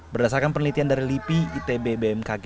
berdasarkan penelitian dari lipi itb bmkg